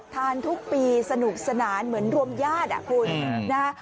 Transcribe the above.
ทานทุกปีสนุกสนานเหมือนรวมญาติอ่ะคุยนะครับ